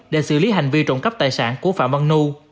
để xử lý hành vi trộm cấp tài sản của phạm văn nhu